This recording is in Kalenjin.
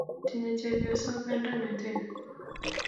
tinye chepyosok kandoinatet